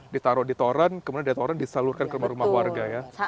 ditaruh di toran kemudian orang disalurkan ke rumah rumah warga ya